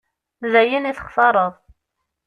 D ayen i textareḍ.